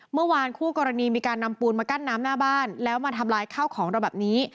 เมื่อวานคู่กรณีมีการนำปูนมากั้นน้ำหน้าบ้านแล้วมาทำลายข้าวของเราแบบนี้